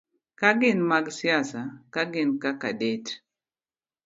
Ka ginmag siasa ka gin kaka det-